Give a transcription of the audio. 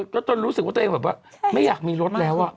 แล้วจนรู้สึกว่าตัวเองแบบว่าไม่อยากมีรถแล้ว